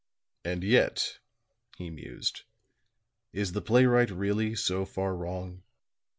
"And yet," he mused, "is the playwright really so far wrong?